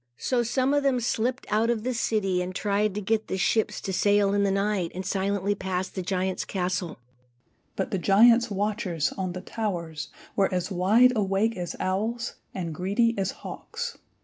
So some of them slipped out of the city and tried to get the ships to sail in the night, and silently pass the giant's castle. But the giant's watchers, on the towers, were as wide awake as owls and greedy as hawks.